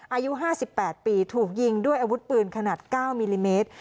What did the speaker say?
อายุห้าสิบแปดปีถูกยิงด้วยอาวุธปืนขนาดเก้ามิลลิเมตร